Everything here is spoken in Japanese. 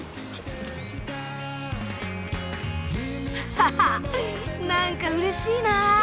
ハハ何かうれしいな。